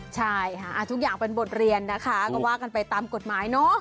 ใช่ทุกอย่างเป็นบทเรียนนะคะ